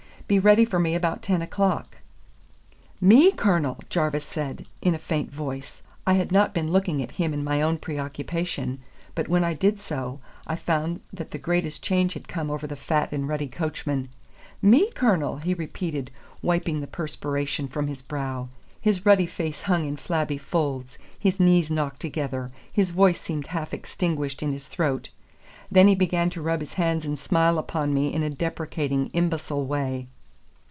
Be ready for me about ten o'clock." "Me, Cornel!" Jarvis said, in a faint voice. I had not been looking at him in my own preoccupation, but when I did so, I found that the greatest change had come over the fat and ruddy coachman. "Me, Cornel!" he repeated, wiping the perspiration from his brow. His ruddy face hung in flabby folds, his knees knocked together, his voice seemed half extinguished in his throat. Then he began to rub his hands and smile upon me in a deprecating, imbecile way.